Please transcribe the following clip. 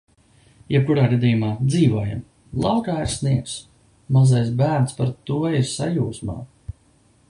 Jebkurā gadījumā - dzīvojam! laukā ir sniegs. mazais bērns par to ir sajūsmā.